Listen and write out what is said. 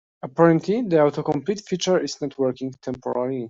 Apparently, the autocomplete feature is not working temporarily.